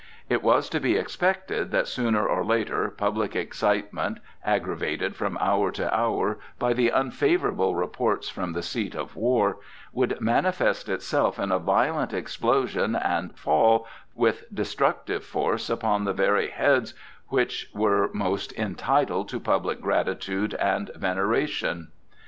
It was to be expected that sooner or later public excitement, aggravated from hour to hour by the unfavorable reports from the seat of war, would manifest itself in a violent explosion and fall with destructive force upon the very heads which were most entitled to public gratitude and veneration.